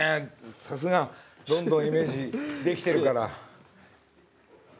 さすがどんどんイメージできてるから。